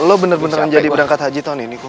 kum lu bener bener menjadi berangkat haji tahun ini kum